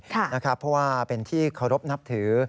เพราะว่าเป็นที่เคารพนับถือ